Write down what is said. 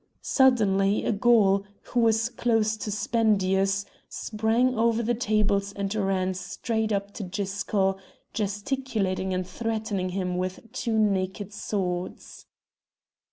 Suddenly a Gaul, who was close to Spendius, sprang over the tables and ran straight up to Gisco, gesticulating and threatening him with two naked swords.